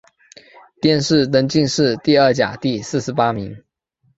殿试登进士第二甲第四十八名。